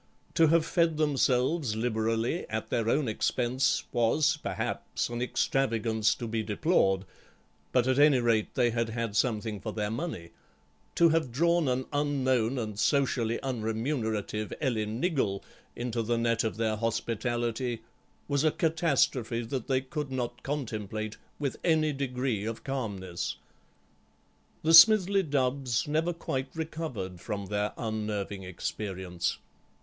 To have fed themselves liberally at their own expense was, perhaps, an extravagance to be deplored, but, at any rate, they had had something for their money; to have drawn an unknown and socially unremunerative Ellen Niggle into the net of their hospitality was a catastrophe that they could not contemplate with any degree of calmness. The Smithly Dubbs never quite recovered from their unnerving experience.